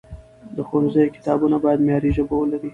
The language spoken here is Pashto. د ښوونځیو کتابونه باید معیاري ژبه ولري.